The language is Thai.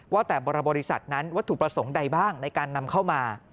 ว่าแต่บรบริษัทนั้นวัตถุประสงค์ใดบ้างในการนำเข้ามา